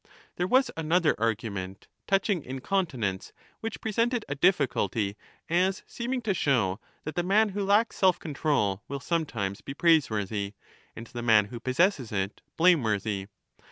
There was another argument ^ touching incontinence which presented a difficulty as seeming to show that the man who lacks self control will sometimes be praiseworthy, and the man who possesses it blameworthy.